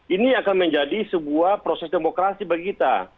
ini akan menjadi sebuah proses demokrasi bagi kita